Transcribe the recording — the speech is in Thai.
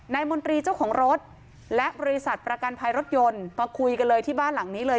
มนตรีเจ้าของรถและบริษัทประกันภัยรถยนต์มาคุยกันเลยที่บ้านหลังนี้เลย